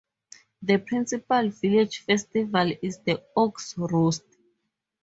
The principal village festival is the Ox Roast.